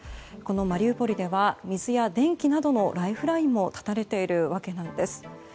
このマリウポリでは水や電気などのライフラインも断たれているわけなんです。